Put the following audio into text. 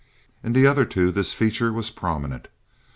In the other two this feature was prominent.